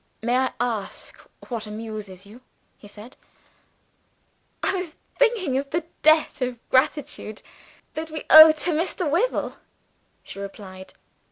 "May I ask what amuses you?" he said. "I was thinking of the debt of gratitude that we owe to Mr. Wyvil," she replied.